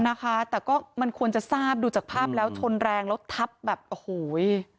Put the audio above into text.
นะคะแต่ก็มันควรจะทราบดูจากภาพแล้วชนแรงแล้วทับแบบโอ้โห